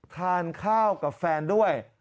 ทานข้าวกับแฟนด้วย